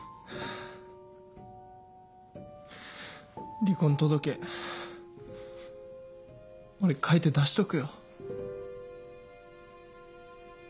離婚届俺書いて出しとくよ。